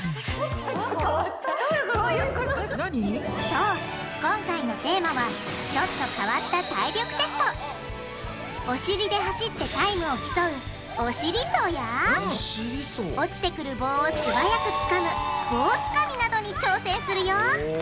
そう今回のテーマはお尻で走ってタイムを競う「お尻走」や落ちてくる棒を素早くつかむ「棒つかみ」などに挑戦するよ！